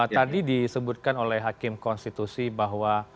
tadi disebutkan oleh hakim konstitusi bahwa